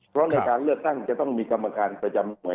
เพราะในการเลือกตั้งจะต้องมีกรรมการประจำหน่วย